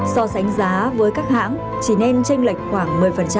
so sánh giá với các hãng chỉ nên tranh lệch khoảng một mươi